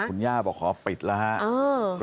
คุณย่าบอกขอปิดและ